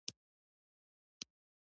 آیا د علم او پرمختګ رڼا نه ده؟